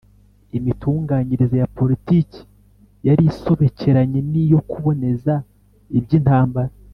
imitunganyirize ya politiki yari isobekeranye n'iyo kuboneza iby'intambara